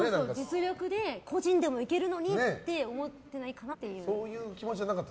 実力で個人でもいけるのにって思ってないかなって。